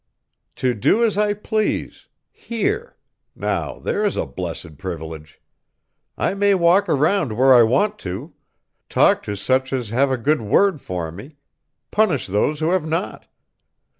"To do as I please here now there's a blessed privilege! I may walk around where I want to, talk to such as have a good word for me, punish those who have not!